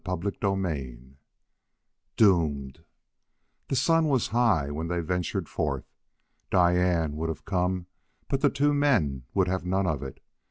CHAPTER VIII Doomed The sun was high when they ventured forth. Diane would have come, but the two men would have none of it.